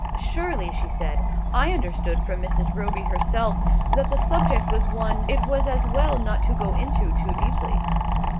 "Surely," she said, "I understood from Mrs. Roby herself that the subject was one it was as well not to go into too deeply?"